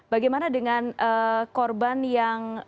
bagaimana dengan korban yang